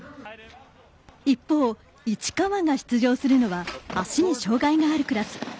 一方市川が出場するのは足に障がいがあるクラス。